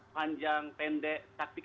panjang pendek taktik